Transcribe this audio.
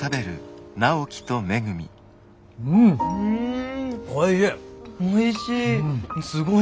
うんおいしい！